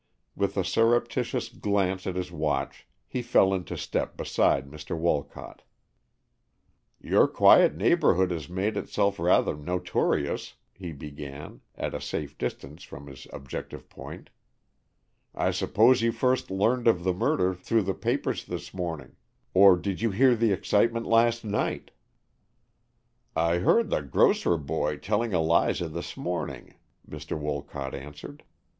With a surreptitious glance at his watch, he fell into step beside Mr. Wolcott. "Your quiet neighborhood has made itself rather notorious," he began, at a safe distance from his objective point. "I suppose you first learned of the murder through the papers this morning. Or did you hear the excitement last night?" "I heard the grocer boy telling Eliza this morning," Mr. Wolcott answered.